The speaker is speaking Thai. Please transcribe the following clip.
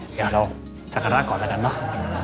เดี๋ยวเราสักการะก่อนแล้วกันเนอะ